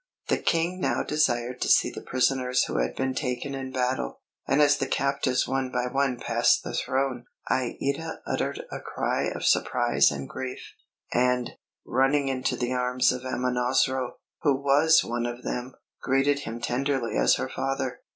The King now desired to see the prisoners who had been taken in battle; and as the captives one by one passed the throne, Aïda uttered a cry of surprise and grief, and, running into the arms of Amonasro, who was one of them, greeted him tenderly as her father.